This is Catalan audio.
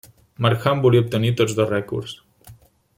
Markham volia obtenir tots dos rècords.